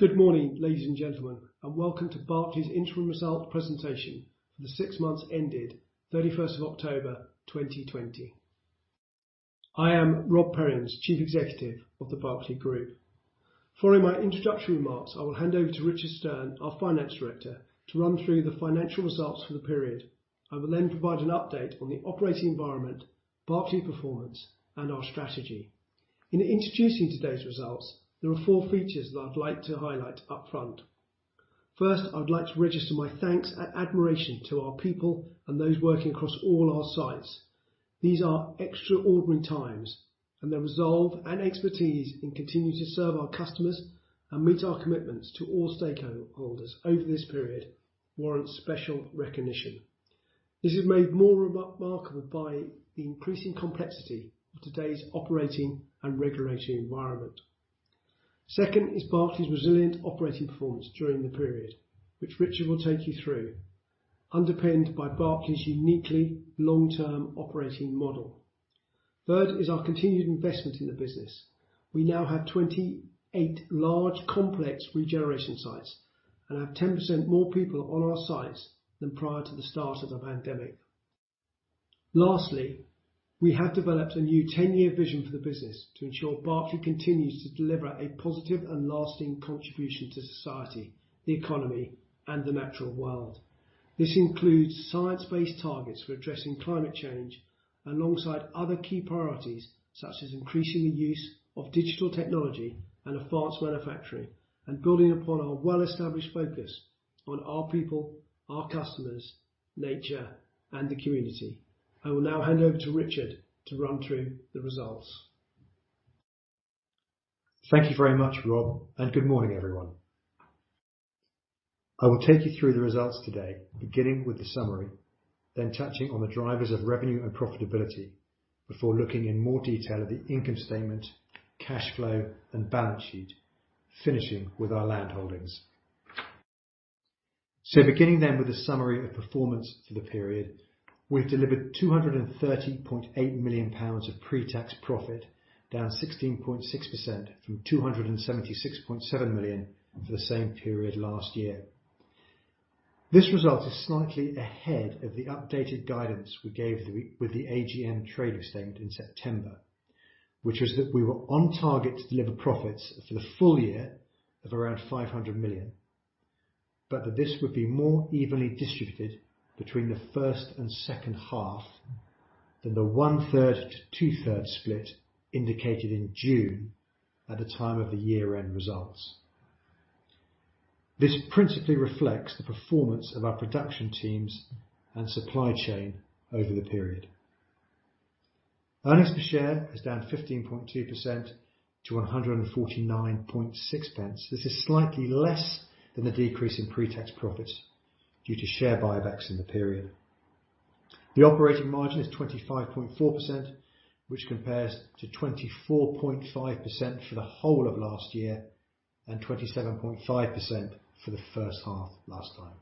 Good morning, ladies and gentlemen, welcome to Berkeley's interim results presentation for the six months ended 31st of October 2020. I am Rob Perrins, Chief Executive of The Berkeley Group. Following my introductory remarks, I will hand over to Richard Stearn, our Finance Director, to run through the financial results for the period. I will then provide an update on the operating environment, Berkeley performance, and our strategy. In introducing today's results, there are four features that I'd like to highlight up front. First, I would like to register my thanks and admiration to our people and those working across all our sites. These are extraordinary times, and their resolve and expertise in continuing to serve our customers and meet our commitments to all stakeholders over this period warrant special recognition. This is made more remarkable by the increasing complexity of today's operating and regulatory environment. Second is Berkeley's resilient operating performance during the period, which Richard will take you through, underpinned by Berkeley's uniquely long-term operating model. Third is our continued investment in the business. We now have 28 large, complex regeneration sites and have 10% more people on our sites than prior to the start of the pandemic. Lastly, we have developed a new 10-year vision for the business to ensure Berkeley continues to deliver a positive and lasting contribution to society, the economy, and the natural world. This includes science-based targets for addressing climate change alongside other key priorities, such as increasing the use of digital technology and advanced manufacturing, and building upon our well-established focus on our people, our customers, nature, and the community. I will now hand over to Richard to run through the results. Thank you very much, Rob, and good morning, everyone. I will take you through the results today, beginning with the summary, then touching on the drivers of revenue and profitability before looking in more detail at the income statement, cash flow, and balance sheet, finishing with our land holdings. Beginning then with a summary of performance for the period, we've delivered GBP 230.8 million of pre-tax profit, down 16.6% from GBP 276.7 million for the same period last year. This result is slightly ahead of the updated guidance we gave with the AGM trading statement in September, which was that we were on target to deliver profits for the full year of around 500 million, but that this would be more evenly distributed between the first and second half than the one-third to two-third split indicated in June at the time of the year-end results. This principally reflects the performance of our production teams and supply chain over the period. Earnings per share is down 15.2% to 1.496. This is slightly less than the decrease in pre-tax profits due to share buybacks in the period. The operating margin is 25.4%, which compares to 24.5% for the whole of last year and 27.5% for the first half last time.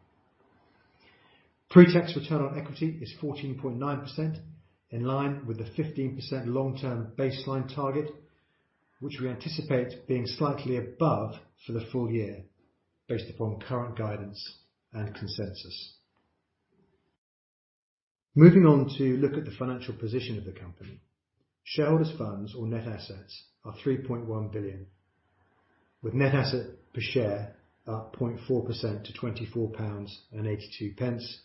Pre-tax return on equity is 14.9%, in line with the 15% long-term baseline target, which we anticipate being slightly above for the full-year based upon current guidance and consensus. Moving on to look at the financial position of the company. Shareholders' funds or net assets are 3.1 billion with net asset per share up 0.4% to 24.82 pounds,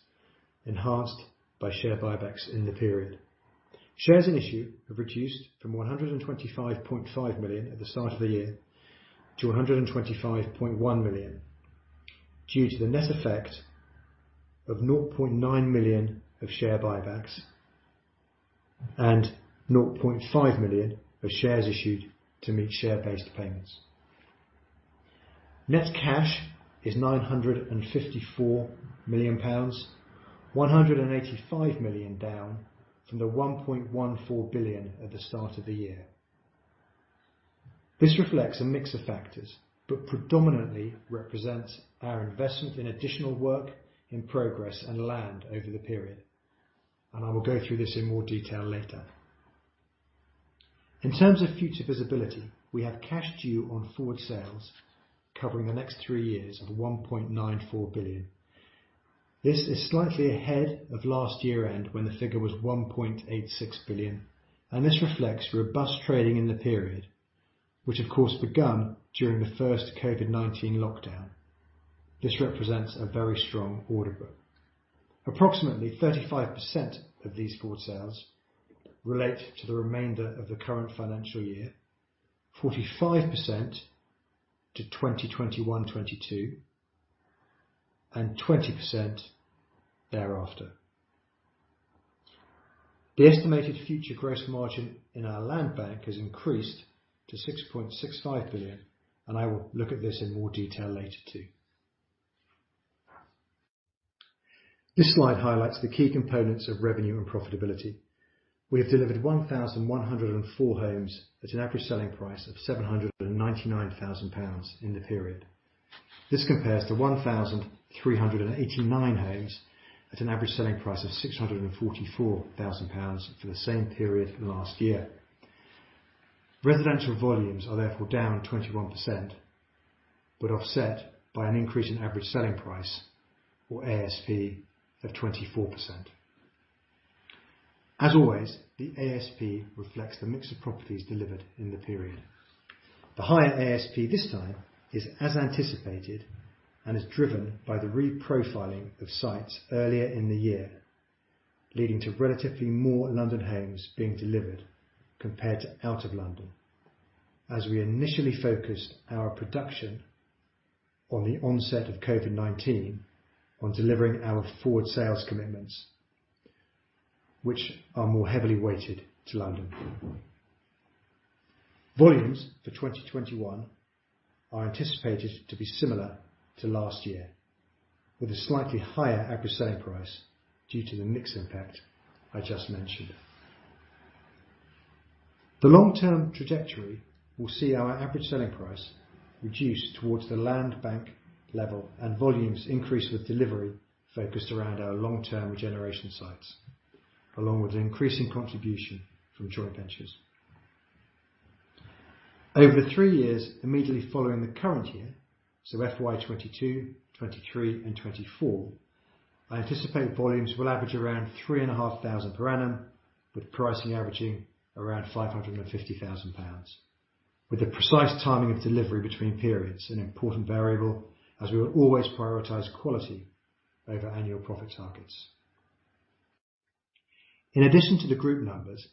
enhanced by share buybacks in the period. Shares in issue have reduced from 125.5 million at the start of the year to 125.1 million due to the net effect of 0.9 million of share buybacks and 0.5 million of shares issued to meet share-based payments. Net cash is 954 million pounds, 185 million down from the 1.14 billion at the start of the year. This reflects a mix of factors, but predominantly represents our investment in additional work in progress and land over the period, and I will go through this in more detail later. In terms of future visibility, we have cash due on forward sales covering the next three years of 1.94 billion. This is slightly ahead of last year-end when the figure was 1.86 billion, and this reflects robust trading in the period, which of course began during the first COVID-19 lockdown. This represents a very strong order book. Approximately 35% of these forward sales relate to the remainder of the current financial year, 45% to 2021-2022, and 20% thereafter. The estimated future gross margin in our land bank has increased to 6.65 billion. I will look at this in more detail later too. This slide highlights the key components of revenue and profitability. We have delivered 1,104 homes at an average selling price of 799,000 pounds in the period. This compares to 1,389 homes at an average selling price of 644,000 pounds for the same period for last year. Residential volumes are therefore down 21%. Offset by an increase in average selling price, or ASP, of 24%. As always, the ASP reflects the mix of properties delivered in the period. The higher ASP this time is as anticipated and is driven by the reprofiling of sites earlier in the year, leading to relatively more London homes being delivered compared to out of London. As we initially focused our production on the onset of COVID-19 on delivering our forward sales commitments, which are more heavily weighted to London. Volumes for 2021 are anticipated to be similar to last year, with a slightly higher average selling price due to the mix effect I just mentioned. The long-term trajectory will see our average selling price reduce towards the land bank level and volumes increase with delivery focused around our long-term regeneration sites, along with increasing contribution from joint ventures. Over the three years immediately following the current year, so FY 2022, 2023, and 2024, I anticipate volumes will average around 3,500 per annum, with pricing averaging around 550,000 pounds. With the precise timing of delivery between periods an important variable as we will always prioritize quality over annual profit targets. In addition to the group numbers,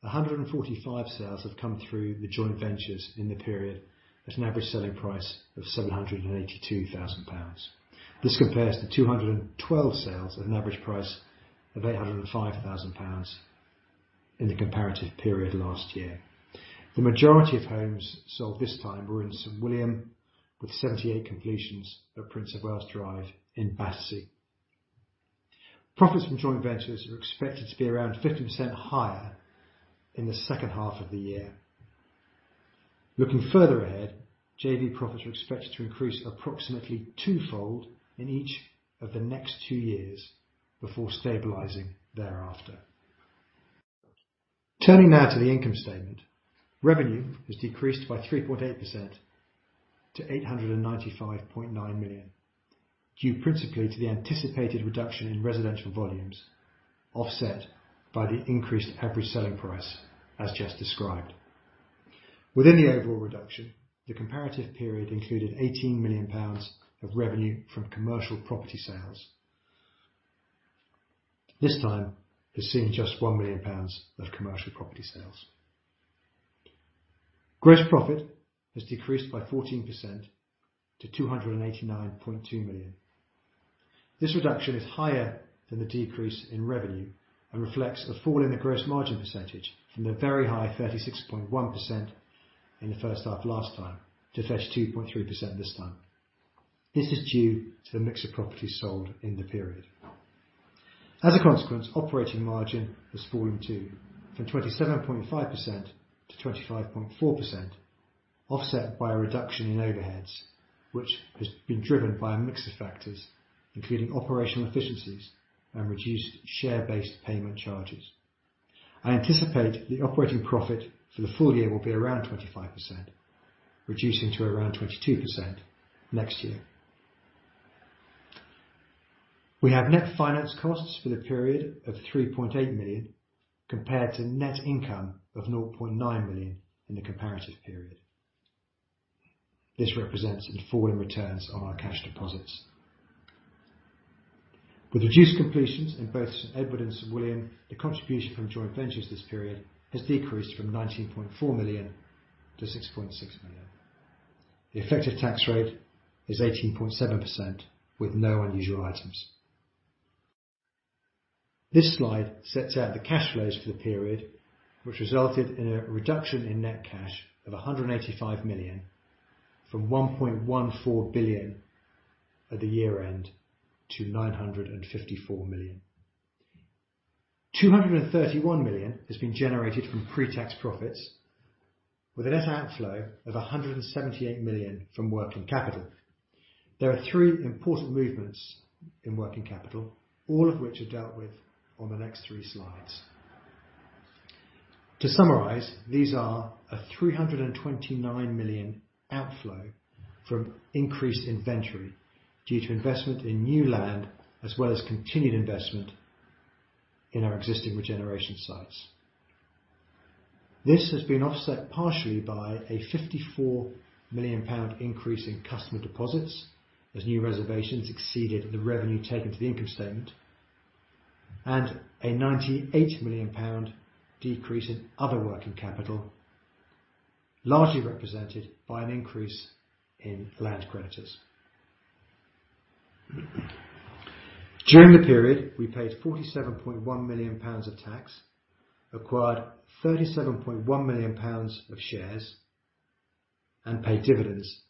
145 sales have come through the joint ventures in the period at an average selling price of 782,000 pounds. This compares to 212 sales at an average price of 805,000 pounds in the comparative period last year. The majority of homes sold this time were in St William, with 78 completions at Prince of Wales Drive in Battersea. Profits from joint ventures are expected to be around 50% higher in the second half of the year. Looking further ahead, JV profits are expected to increase approximately twofold in each of the next two years before stabilizing thereafter. Turning now to the income statement. Revenue has decreased by 3.8% to 895.9 million, due principally to the anticipated reduction in residential volumes, offset by the increased average selling price, as just described. Within the overall reduction, the comparative period included 18 million pounds of revenue from commercial property sales. This time, we're seeing just 1 million pounds of commercial property sales. Gross profit has decreased by 14% to 289.2 million. This reduction is higher than the decrease in revenue and reflects a fall in the gross margin percentage from a very high 36.1% in the first half last time to 32.3% this time. This is due to the mix of properties sold in the period. As a consequence, operating margin has fallen too, from 27.5% to 25.4%, offset by a reduction in overheads, which has been driven by a mix of factors, including operational efficiencies and reduced share-based payment charges. I anticipate the operating profit for the full-year will be around 25%, reducing to around 22% next year. We have net finance costs for the period of 3.8 million, compared to net income of 0.9 million in the comparative period. This represents a fall in returns on our cash deposits. With reduced completions in both St Edward and St William, the contribution from joint ventures this period has decreased from 19.4 million to 6.6 million. The effective tax rate is 18.7% with no unusual items. This slide sets out the cash flows for the period, which resulted in a reduction in net cash of 185 million from 1.14 billion at the year-end to 954 million. 231 million has been generated from pre-tax profits with a net outflow of 178 million from working capital. There are three important movements in working capital, all of which are dealt with on the next three slides. To summarize, these are a 329 million outflow from increased inventory due to investment in new land, as well as continued investment in our existing regeneration sites. This has been offset partially by a 54 million pound increase in customer deposits as new reservations exceeded the revenue taken to the income statement, and a 98 million pound decrease in other working capital, largely represented by an increase in land creditors. During the period, we paid 47.1 million pounds of tax, acquired 37.1 million pounds of shares, and paid dividends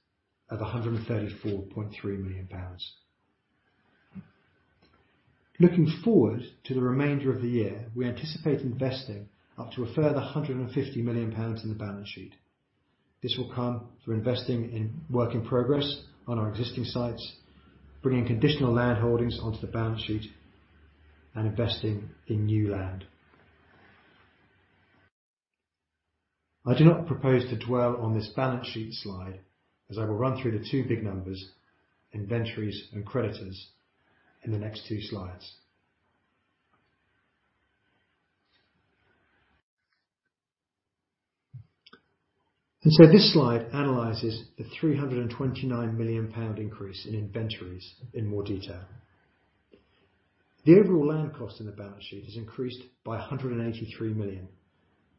of 134.3 million pounds. Looking forward to the remainder of the year, we anticipate investing up to a further 150 million pounds in the balance sheet. This will come through investing in work in progress on our existing sites, bringing conditional land holdings onto the balance sheet, and investing in new land. I do not propose to dwell on this balance sheet slide, as I will run through the two big numbers, inventories and creditors, in the next two slides. This slide analyzes the 329 million pound increase in inventories in more detail. The overall land cost in the balance sheet has increased by 183 million,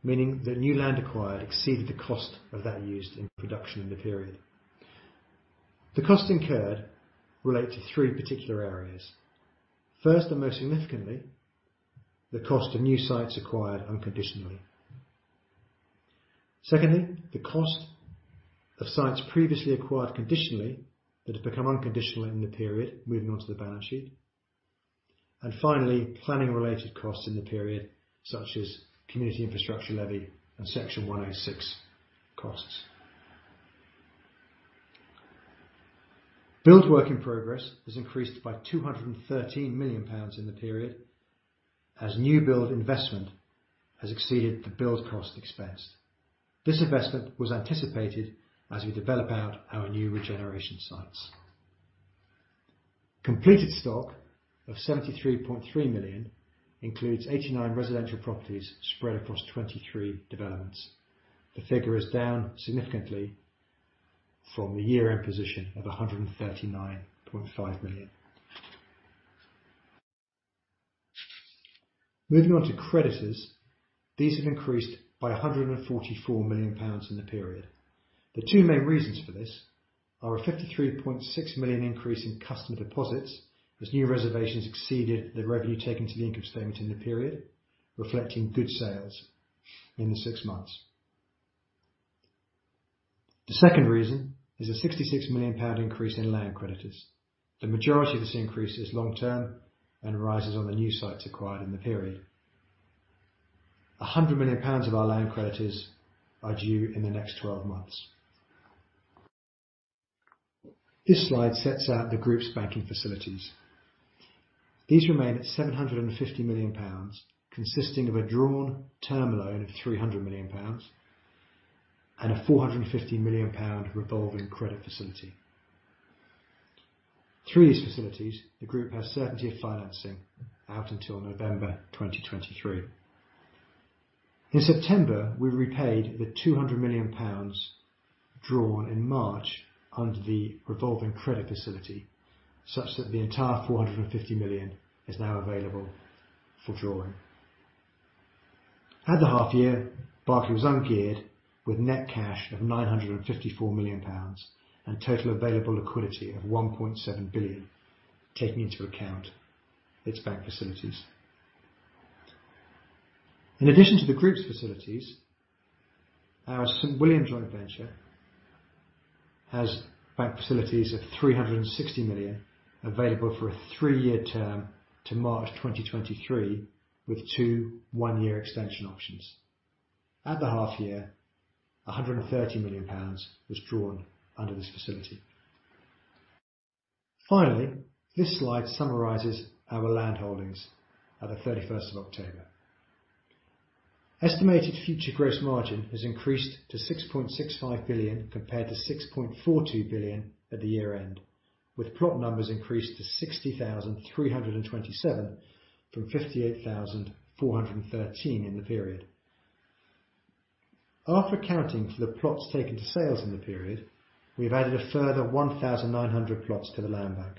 meaning the new land acquired exceeded the cost of that used in production in the period. The cost incurred relate to three particular areas. First, and most significantly, the cost of new sites acquired unconditionally. Secondly, the cost of sites previously acquired conditionally that have become unconditional in the period moving onto the balance sheet. Finally, planning related costs in the period such as Community Infrastructure Levy and Section 106 costs. Build work-in-progress has increased by 213 million pounds in the period, as new build investment has exceeded the build cost expensed. This investment was anticipated as we develop out our new regeneration sites. Completed stock of 73.3 million includes 89 residential properties spread across 23 developments. The figure is down significantly from the year-end position of 139.5 million. Moving on to creditors. These have increased by 144 million pounds in the period. The two main reasons for this are a 53.6 million increase in customer deposits, as new reservations exceeded the revenue taken to the income statement in the period, reflecting good sales in the six months. The second reason is a 66 million pound increase in land creditors. The majority of this increase is long term and rises on the new sites acquired in the period. 100 million pounds of our land creditors are due in the next 12 months. This slide sets out the group's banking facilities. These remain at 750 million pounds, consisting of a drawn term loan of 300 million pounds and a 450 million pound revolving credit facility. Through these facilities, the group has certainty of financing out until November 2023. In September, we repaid the 200 million pounds drawn in March under the revolving credit facility, such that the entire 450 million is now available for drawing. At the half year, Berkeley was ungeared with net cash of 954 million pounds and total available liquidity of 1.7 billion, taking into account its bank facilities. In addition to the group's facilities, our St William joint venture has bank facilities of 360 million available for a three-year term to March 2023, with two one-year extension options. At the half year, 130 million pounds was drawn under this facility. This slide summarizes our land holdings at the 31st of October. Estimated future gross margin has increased to 6.65 billion compared to 6.42 billion at the year end, with plot numbers increased to 60,327 from 58,413 in the period. After accounting for the plots taken to sales in the period, we have added a further 1,900 plots to the land bank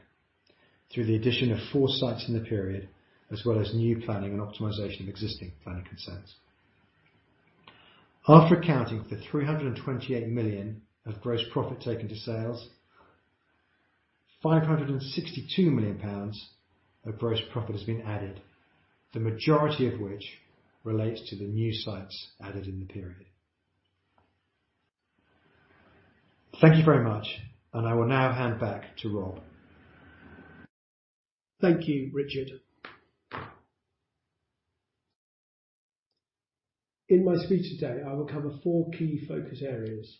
through the addition of four sites in the period, as well as new planning and optimization of existing planning consents. After accounting for 328 million of gross profit taken to sales, 562 million pounds of gross profit has been added, the majority of which relates to the new sites added in the period. Thank you very much, and I will now hand back to Rob. Thank you, Richard. In my speech today, I will cover four key focus areas.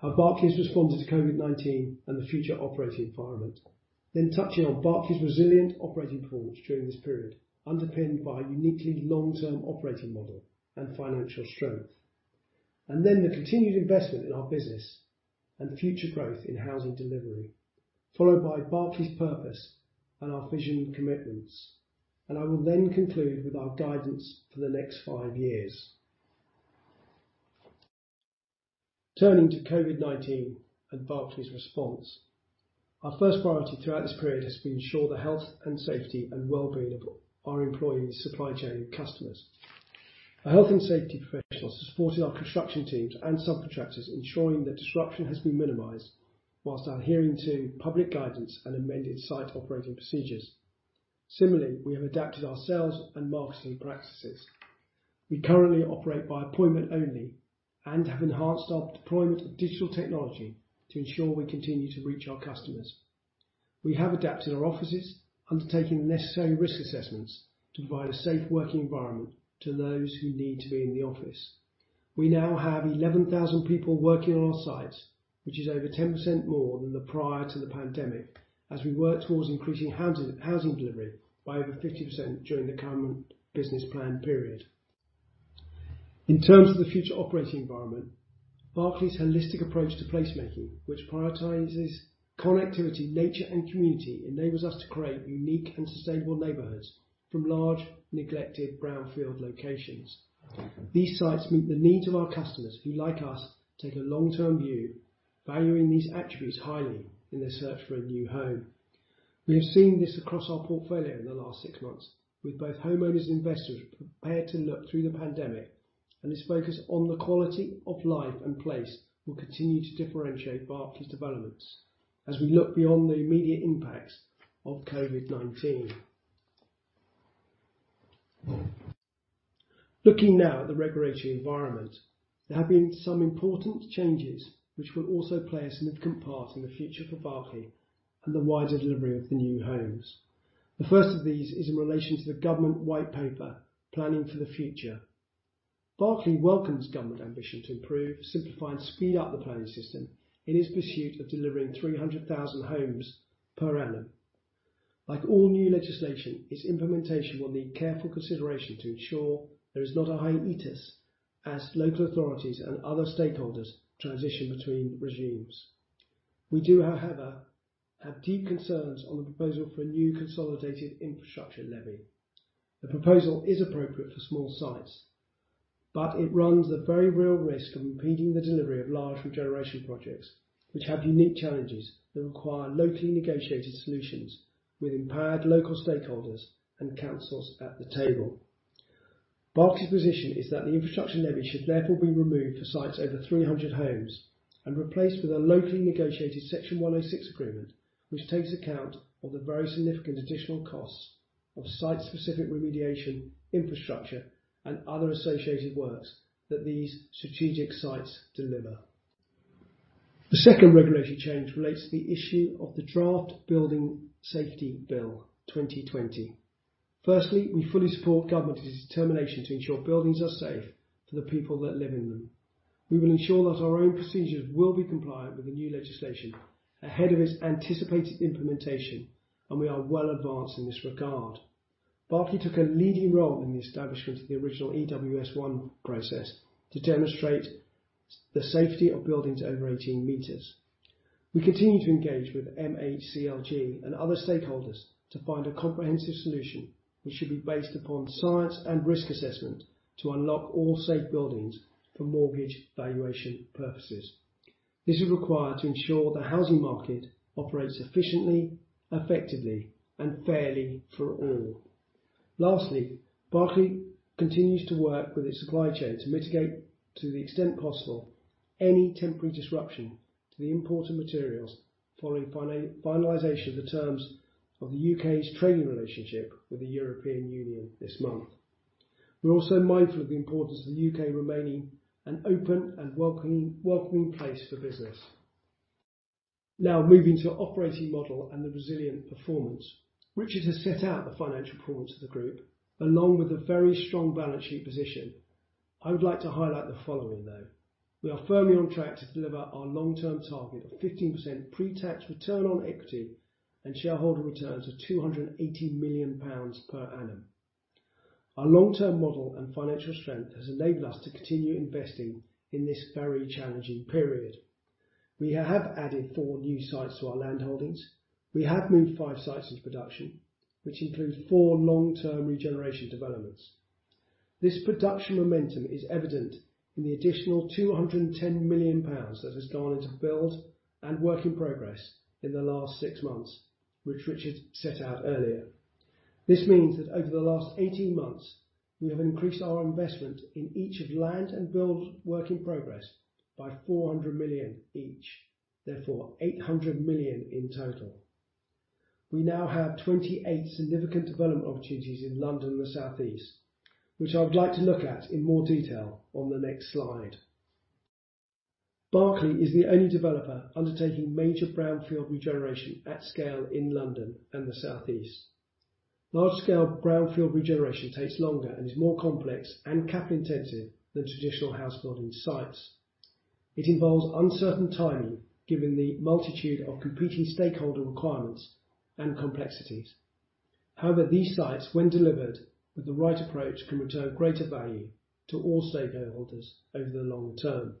How Berkeley has responded to COVID-19 and the future operating environment. Touching on Berkeley's resilient operating performance during this period, underpinned by a uniquely long-term operating model and financial strength. The continued investment in our business and future growth in housing delivery. Followed by Berkeley's purpose and our vision commitments. I will then conclude with our guidance for the next five years. Turning to COVID-19 and Berkeley's response. Our first priority throughout this period has been to ensure the health and safety and wellbeing of our employees, supply chain, and customers. Our health and safety professionals have supported our construction teams and subcontractors, ensuring that disruption has been minimized while adhering to public guidance and amended site operating procedures. Similarly, we have adapted our sales and marketing practices. We currently operate by appointment only and have enhanced our deployment of digital technology to ensure we continue to reach our customers. We have adapted our offices, undertaking the necessary risk assessments to provide a safe working environment to those who need to be in the office. We now have 11,000 people working on our sites, which is over 10% more than prior to the pandemic, as we work towards increasing housing delivery by over 50% during the current business plan period. In terms of the future operating environment, Berkeley's holistic approach to place making, which prioritizes connectivity, nature, and community, enables us to create unique and sustainable neighborhoods from large, neglected brownfield locations. These sites meet the needs of our customers who, like us, take a long-term view, valuing these attributes highly in their search for a new home. We have seen this across our portfolio in the last six months, with both homeowners and investors prepared to look through the pandemic, and this focus on the quality of life and place will continue to differentiate Berkeley's developments as we look beyond the immediate impacts of COVID-19. Looking now at the regulatory environment, there have been some important changes which will also play a significant part in the future for Berkeley and the wider delivery of the new homes. The first of these is in relation to the government white paper Planning for the Future. Berkeley welcomes government ambition to improve, simplify, and speed up the planning system in its pursuit of delivering 300,000 homes per annum. Like all new legislation, its implementation will need careful consideration to ensure there is not a hiatus as local authorities and other stakeholders transition between regimes. We do, however, have deep concerns on the proposal for a new consolidated Infrastructure Levy. The proposal is appropriate for small sites, but it runs the very real risk of impeding the delivery of large regeneration projects, which have unique challenges that require locally negotiated solutions with empowered local stakeholders and councils at the table. Berkeley's position is that the Infrastructure Levy should therefore be removed for sites over 300 homes and replaced with a locally negotiated Section 106 agreement, which takes account of the very significant additional costs of site-specific remediation, infrastructure, and other associated works that these strategic sites deliver. The second regulatory change relates to the issue of the Draft Building Safety Bill. Firstly, we fully support government's determination to ensure buildings are safe for the people that live in them. We will ensure that our own procedures will be compliant with the new legislation ahead of its anticipated implementation. We are well advanced in this regard. Berkeley took a leading role in the establishment of the original EWS1 process to demonstrate the safety of buildings over 18 m. We continue to engage with MHCLG and other stakeholders to find a comprehensive solution, which should be based upon science and risk assessment to unlock all safe buildings for mortgage valuation purposes. This is required to ensure the housing market operates efficiently, effectively, and fairly for all. Lastly, Berkeley continues to work with its supply chain to mitigate, to the extent possible, any temporary disruption to the import of materials following finalization of the terms of the U.K.'s trading relationship with the European Union this month. We're also mindful of the importance of the U.K. remaining an open and welcoming place for business. Now moving to operating model and the resilient performance, which is to set out the financial performance of the group along with a very strong balance sheet position. I would like to highlight the following, though. We are firmly on track to deliver our long-term target of 15% pre-tax return on equity and shareholder returns of 280 million pounds per annum. Our long-term model and financial strength has enabled us to continue investing in this very challenging period. We have added four new sites to our land holdings. We have moved five sites into production, which includes four long-term regeneration developments. This production momentum is evident in the additional 210 million pounds that has gone into build and work in progress in the last six months, which Richard set out earlier. This means that over the last 18 months, we have increased our investment in each of land and build work in progress by 400 million each, therefore 800 million in total. We now have 28 significant development opportunities in London and the Southeast, which I would like to look at in more detail on the next slide. Berkeley is the only developer undertaking major brownfield regeneration at scale in London and the Southeast. Large scale brownfield regeneration takes longer and is more complex and capital intensive than traditional house building sites. It involves uncertain timing given the multitude of competing stakeholder requirements and complexities. However, these sites, when delivered with the right approach, can return greater value to all stakeholders over the long term.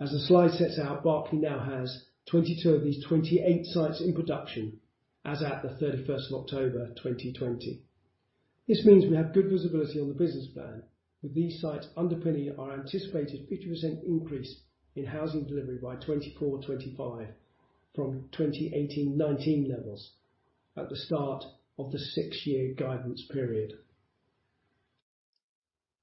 As the slide sets out, Berkeley now has 22 of these 28 sites in production as at the 31st of October 2020. This means we have good visibility on the business plan with these sites underpinning our anticipated 50% increase in housing delivery by 2024-2025 from 2018-2019 levels at the start of the six-year guidance period.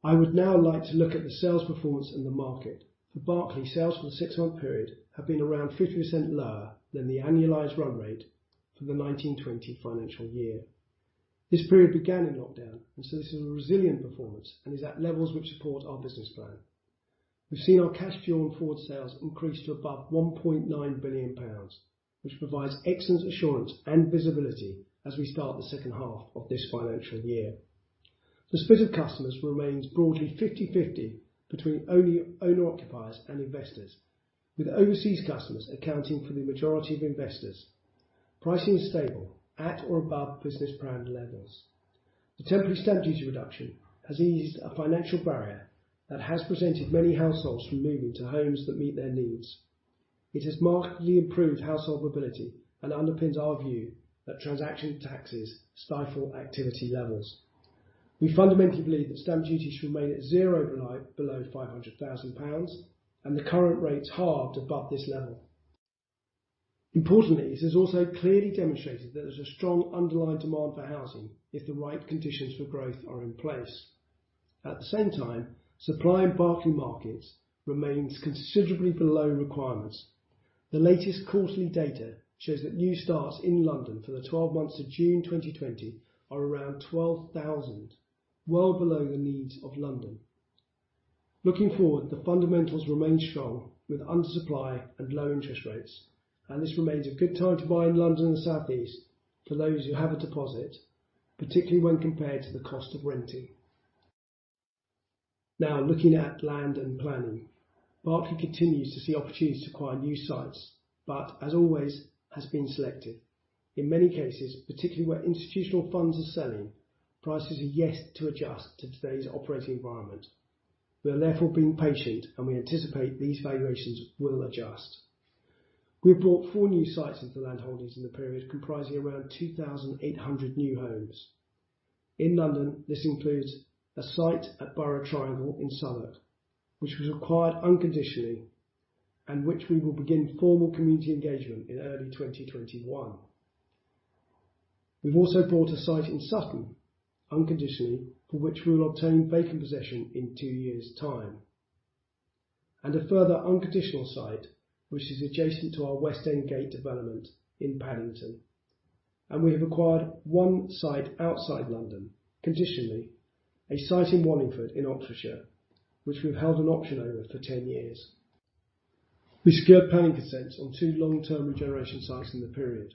I would now like to look at the sales performance in the market. For Berkeley, sales for the six-month period have been around 50% lower than the annualized run-rate for the 2019-2020 financial year. This period began in lockdown, this is a resilient performance and is at levels which support our business plan. We've seen our cash due on forward sales increase to above 1.9 billion pounds, which provides excellent assurance and visibility as we start the second half of this financial year. The split of customers remains broadly 50/50 between owner occupiers and investors. With overseas customers accounting for the majority of investors. Pricing is stable, at or above business plan levels. The temporary stamp duty reduction has eased a financial barrier that has prevented many households from moving to homes that meet their needs. It has markedly improved household mobility and underpins our view that transaction taxes stifle activity levels. We fundamentally believe that stamp duty should remain at zero overnight below 500,000 pounds, and the current rates halved above this level. Importantly, this has also clearly demonstrated that there's a strong underlying demand for housing if the right conditions for growth are in place. At the same time, supply in Berkeley markets remains considerably below requirements. The latest quarterly data shows that new starts in London for the 12 months to June 2020, are around 12,000, well below the needs of London. Looking forward, the fundamentals remain strong with undersupply and low interest rates. This remains a good time to buy in London and South East for those who have a deposit, particularly when compared to the cost of renting. Now, looking at land and planning. Berkeley continues to see opportunities to acquire new sites, as always, has been selective. In many cases, particularly where institutional funds are selling, prices are yet to adjust to today's operating environment. We are therefore being patient. We anticipate these valuations will adjust. We have bought four new sites into land holdings in the period, comprising around 2,800 new homes. In London, this includes a site at Borough Triangle in Southwark, which was acquired unconditionally and which we will begin formal community engagement in early 2021. We've also bought a site in Sutton, unconditionally, for which we will obtain vacant possession in two years' time. A further unconditional site, which is adjacent to our West End Gate development in Paddington. We have acquired one site outside London, conditionally, a site in Wallingford, in Oxfordshire, which we've held an option over for 10 years. We secured planning consents on two long-term regeneration sites in the period.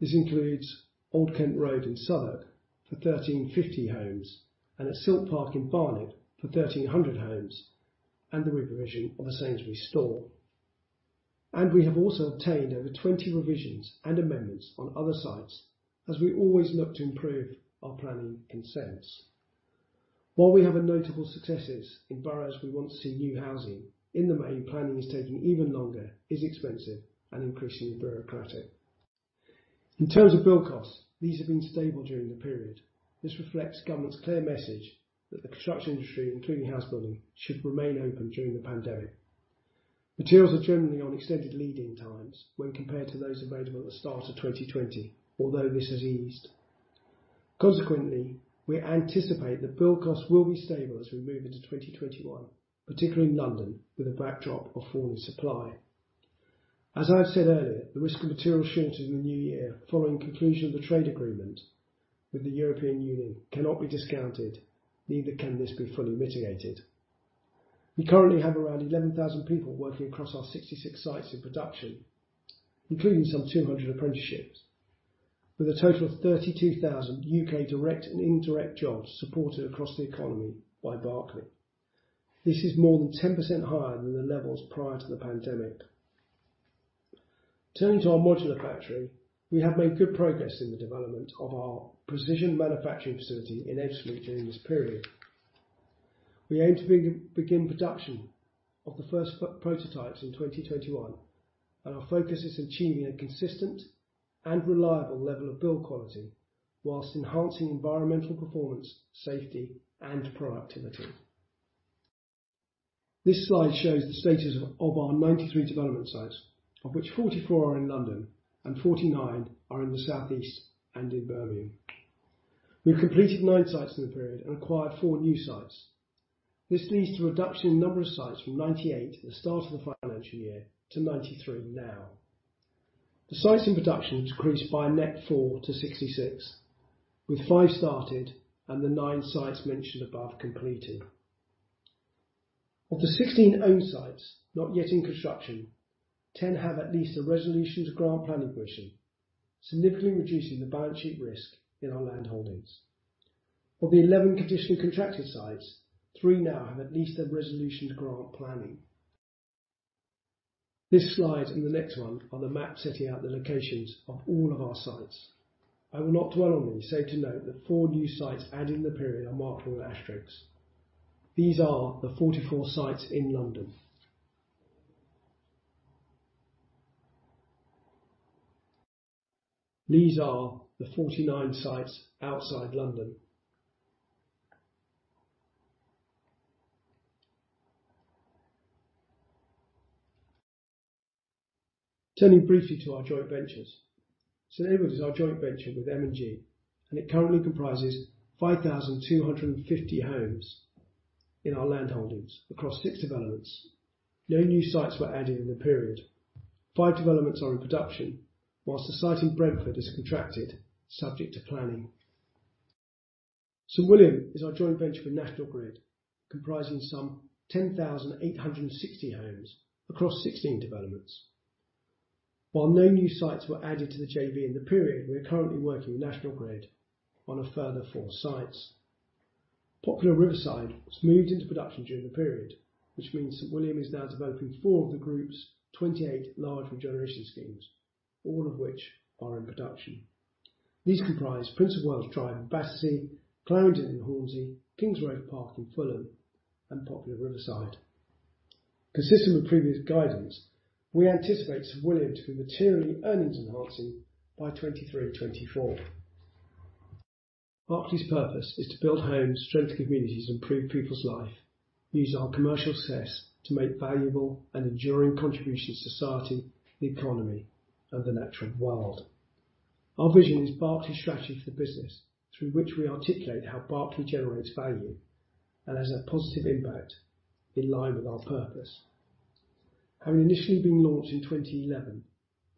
This includes Old Kent Road in Southwark for 1,350 homes and at Silk Park in Barnet for 1,300 homes, and the reprovision of a Sainsbury's store. We have also obtained over 20 revisions and amendments on other sites as we always look to improve our planning consents. While we have notable successes in boroughs we want to see new housing, in the main, planning is taking even longer, is expensive and increasingly bureaucratic. In terms of build costs, these have been stable during the period. This reflects government's clear message that the construction industry, including house building, should remain open during the pandemic. Materials are generally on extended lead in times when compared to those available at the start of 2020, although this has eased. Consequently, we anticipate that build costs will be stable as we move into 2021, particularly in London, with a backdrop of falling supply. As I said earlier, the risk of material shortages in the new year following conclusion of the trade agreement with the European Union cannot be discounted. Neither can this be fully mitigated. We currently have around 11,000 people working across our 66 sites in production, including some 200 apprenticeships, with a total of 32,000 U.K. direct and indirect jobs supported across the economy by Berkeley. This is more than 10% higher than the levels prior to the pandemic. Turning to our modular factory. We have made good progress in the development of our precision manufacturing facility in Ebbsfleet during this period. We aim to begin production of the first prototypes in 2021, and our focus is achieving a consistent and reliable level of build quality whilst enhancing environmental performance, safety, and productivity. This slide shows the status of our 93 development sites, of which 44 are in London and 49 are in the South East and in Birmingham. We've completed nine sites in the period and acquired four new sites. This leads to a reduction in number of sites from 98 at the start of the financial year to 93 now. The sites in production decreased by a net four to 66, with five started and the nine sites mentioned above completed. Of the 16 owned sites not yet in construction, 10 have at least a resolution to grant planning permission, significantly reducing the balance sheet risk in our land holdings. Of the 11 conditionally contracted sites, three now have at least a resolution to grant planning. This slide and the next one are the map setting out the locations of all of our sites. I will not dwell on these, save to note that four new sites added in the period are marked with asterisks. These are the 44 sites in London. These are the 49 sites outside London. Turning briefly to our joint ventures. St Edward is our joint venture with M&G, and it currently comprises 5,250 homes in our land holdings across six developments. No new sites were added in the period. Five developments are in production, whilst the site in Brentford is contracted subject to planning. St William is our joint venture with National Grid, comprising some 10,860 homes across 16 developments. While no new sites were added to the JV in the period, we are currently working with National Grid on a further four sites. Poplar Riverside was moved into production during the period, which means St William is now developing four of the group's 28 large regeneration schemes, all of which are in production. These comprise Prince of Wales Drive in Battersea, Clarendon in Hornsey, Kings Road Park in Fulham, and Poplar Riverside. Consistent with previous guidance, we anticipate St William to be materially earnings enhancing by 2023-2024. Berkeley's purpose is to build homes, strengthen communities, improve people's life, and use our commercial success to make valuable and enduring contributions to society, the economy, and the natural world. Our vision is Berkeley's strategy for the business, through which we articulate how Berkeley generates value and has a positive impact in line with our purpose. Having initially been launched in 2011,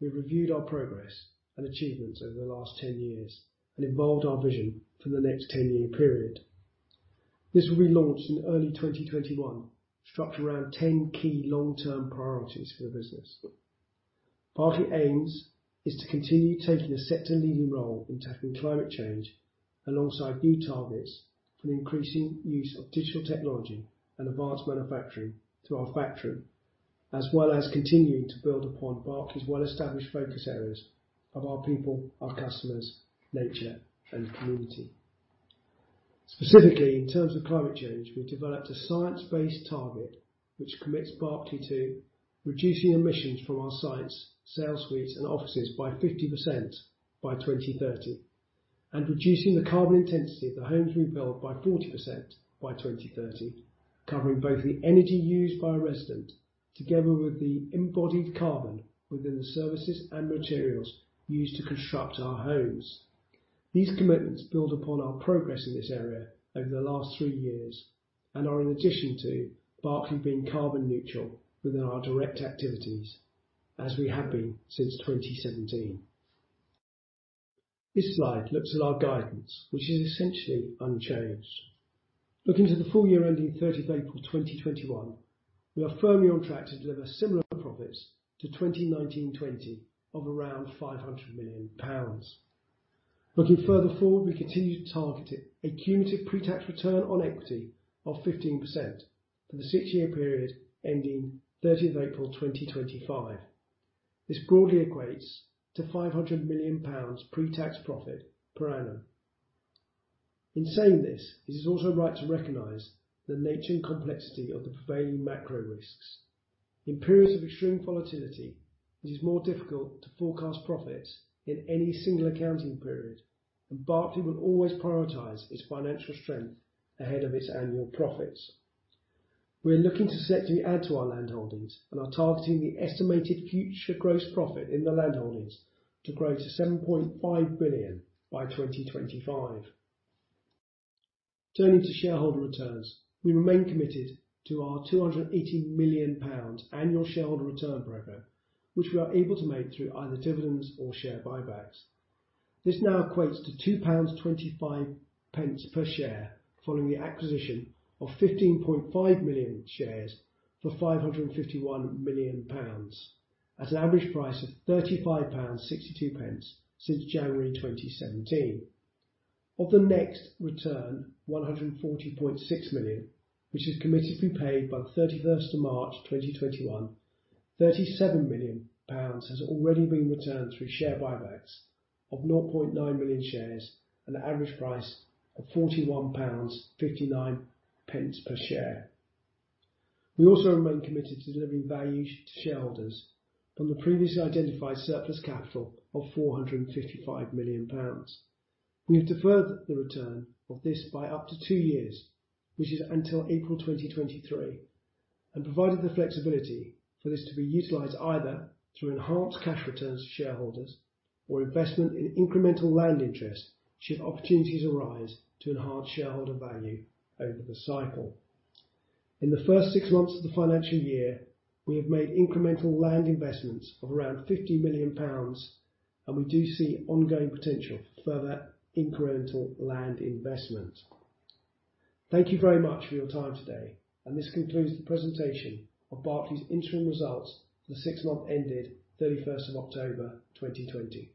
we reviewed our progress and achievements over the last 10 years and evolved our vision for the next 10-year period. This will be launched in early 2021, structured around 10 key long-term priorities for the business. Berkeley aims is to continue taking a sector leading role in tackling climate change alongside new targets for the increasing use of digital technology and advanced manufacturing to our factory, as well as continuing to build upon Berkeley's well-established focus areas of our people, our customers, nature, and community. Specifically in terms of climate change, we developed a science-based target, which commits Berkeley to reducing emissions from our sites, sale suites, and offices by 50% by 2030, and reducing the carbon intensity of the homes we build by 40% by 2030, covering both the energy used by a resident together with the embodied carbon within the services and materials used to construct our homes. These commitments build upon our progress in this area over the last three years and are in addition to Berkeley being carbon neutral within our direct activities as we have been since 2017. This slide looks at our guidance, which is essentially unchanged. Looking to the full year ending 30th April 2021, we are firmly on track to deliver similar profits to 2019-2020 of around 500 million pounds. Looking further forward, we continue to target a cumulative pre-tax return on equity of 15% for the six-year period ending 30th April 2025. This broadly equates to 500 million pounds pre-tax profit per annum. In saying this, it is also right to recognize the nature and complexity of the prevailing macro risks. In periods of extreme volatility, it is more difficult to forecast profits in any single accounting period, and Berkeley will always prioritize its financial strength ahead of its annual profits. We are looking to set to add to our land holdings and are targeting the estimated future gross profit in the land holdings to grow to 7.5 billion by 2025. Turning to shareholder returns, we remain committed to our 280 million pounds annual shareholder return program, which we are able to make through either dividends or share buybacks. This now equates to 2.25 pounds per share following the acquisition of 15.5 million shares for 551 million pounds at an average price of 35.62 pounds since January 2017. Of the next return, 140.6 million, which is committed to be paid by the 31st of March 2021, 37 million pounds has already been returned through share buybacks of 0.9 million shares at an average price of 41.59 pounds per share. We also remain committed to delivering value to shareholders from the previously identified surplus capital of 455 million pounds. We have deferred the return of this by up to two years, which is until April 2023, and provided the flexibility for this to be utilized either through enhanced cash returns to shareholders or investment in incremental land interest should opportunities arise to enhance shareholder value over the cycle. In the first six months of the financial year, we have made incremental land investments of around 50 million pounds, and we do see ongoing potential for further incremental land investment. Thank you very much for your time today, and this concludes the presentation of Berkeley's interim results for the six month ended 31st of October 2020.